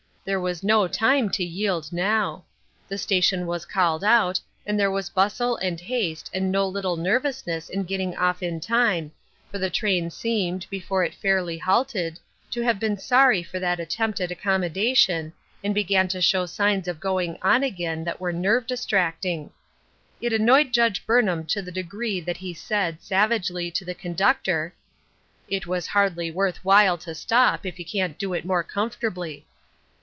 There was no time to yield now* The station was called out, and there was bustle and haste and no little nervousness in getting off in time, for the train seemed, before it fairly halted, to have been sorry for that attempt at accommodation, and began to show signs of going on again that were nerve distracting. It an noyed Judge Burnham to the degree that he said, savagely, to the conductor, " It was hardly worth while to stop, if you can't do it more com fortably."